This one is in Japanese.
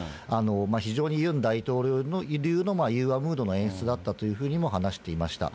非常にユン大統領流の融和ムードの演出だったというふうにも話していました。